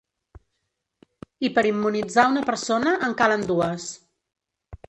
I per immunitzar una persona en calen dues.